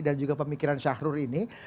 dan juga pemikiran syahrul ini